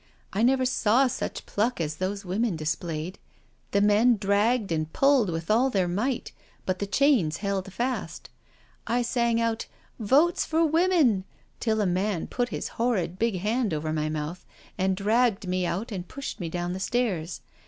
I never saw such pluck as those women dis played. The men dragged and pulled with all their might, but the chains held fast. I sang out ' Votes for Women ' till a man put his horrid big hand over my mouth and dragged me out and pushed me down the stairs.